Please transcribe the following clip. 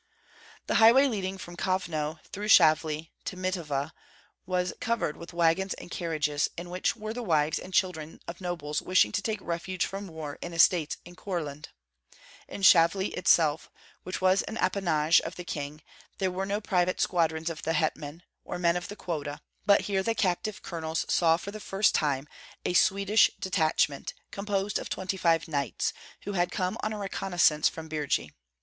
The highway leading from Kovno through Shavli to Mitava was covered with wagons and carriages, in which were the wives and children of nobles wishing to take refuge from war in estates in Courland. In Shavli itself, which was an appanage of the king, there were no private squadrons of the hetman, or men of the quota; but here the captive colonels saw for the first time a Swedish detachment, composed of twenty five knights, who had come on a reconnoissance from Birji.